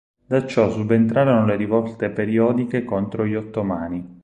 Da ciò subentrarono le rivolte periodiche contro gli ottomani.